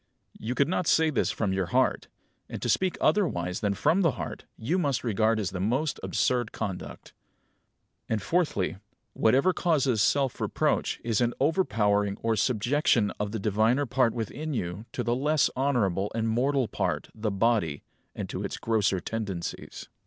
You could not say this from your heart; and to speak otherwise than from the heart you must regard as the most absurd conduct." And, fourthly, whatever causes self reproach is an overpowering or subjection of the diviner part within you to the less honourable and mortal part, the body, and to its grosser tendencies.